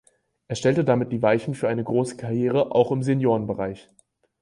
Er stellte damit die Weichen für eine große Karriere auch im Seniorenbereich.